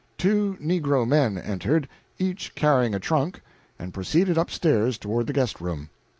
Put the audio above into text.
Two negro men entered, each carrying a trunk, and proceeded up stairs toward the guest room.